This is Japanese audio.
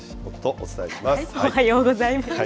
おはようございます。